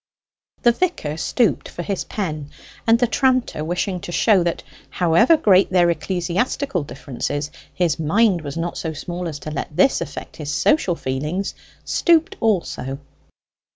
The vicar stooped for his pen, and the tranter, wishing to show that, however great their ecclesiastical differences, his mind was not so small as to let this affect his social feelings, stooped also.